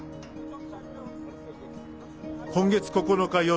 今月９日夜